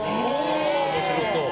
面白そう。